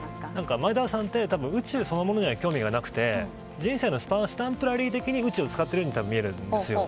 前澤さんって多分宇宙そのものには興味はなくて人生のスタンプラリーとして宇宙を使っているように見えるんですね。